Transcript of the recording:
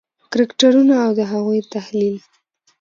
کرکټرونه او د هغوی تحلیل: